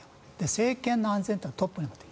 政権の安全というのはトップにある。